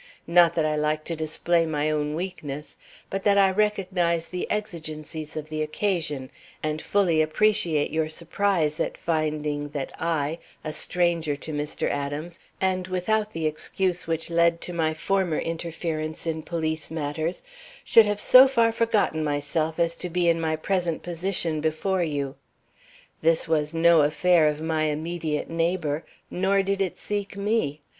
"Not that I like to display my own weakness, but that I recognize the exigencies of the occasion, and fully appreciate your surprise at finding that I, a stranger to Mr. Adams, and without the excuse which led to my former interference in police matters, should have so far forgotten myself as to be in my present position before you. This was no affair of my immediate neighbor, nor did it seek me.